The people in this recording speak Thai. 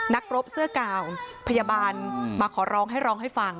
นักรบเสื้อกาวพยาบาลมาขอร้องให้ฟัง